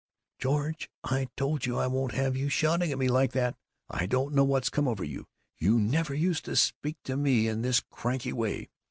"George, I told you, I won't have you shouting at me like that! I don't know what's come over you. You never used to speak to me in this cranky way."